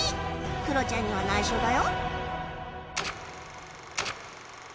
クロちゃんには内緒だよ